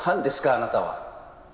あなたは。